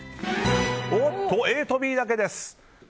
おっと、ＡとＢだけです。